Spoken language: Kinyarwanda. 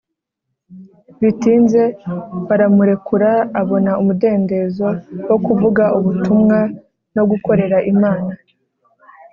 Bitinze baramurekura abona umudendezo wo kuvuga ubutumwa no gukorera Imana